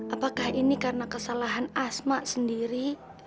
apakah ini karena kesalahan asma sendiri